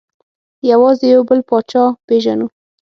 یوازې یو بل پاچا پېژنو.